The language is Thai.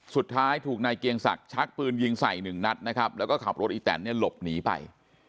สุดท้ายถูกนายเกียงศักดิ์ชักปืนยิงใส่หนึ่งนัดนะครับแล้วก็ขับรถอีแตนเนี่ยหลบหนีไป